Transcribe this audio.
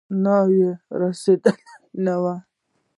ناوې رارسېدلې نه وي.